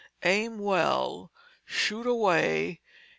Aim well, shoot away.